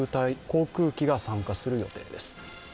航空機が参加する予定です。